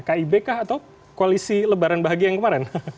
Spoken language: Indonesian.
kib kah atau koalisi lebaran bahagia yang kemarin